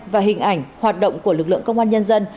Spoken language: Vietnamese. và hình ảnh hoạt động của lực lượng công an nhân dân